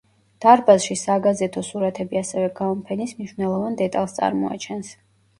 დარბაზში საგაზეთო სურათები ასევე გამოფენის მნიშვნელოვან დეტალს წარმოაჩენს.